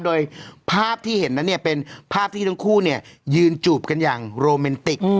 โดยภาพที่เห็นนั้นเนี่ยเป็นภาพที่ทั้งคู่เนี่ยยืนจูบกันอย่างโรแมนติก